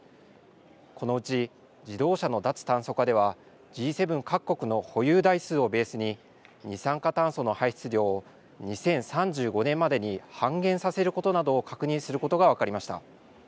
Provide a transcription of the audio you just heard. このうち自動車の脱炭素化ではＧ７各国の保有台数をベースに二酸化炭素の排出量を２０３５年までに半減させることなどを確認することが分かりました。